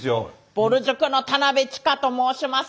ぼる塾の田辺智加と申します。